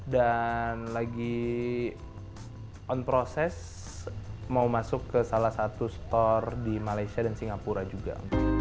dan lagi on proses mau masuk ke salah satu store di malaysia dan singapura juga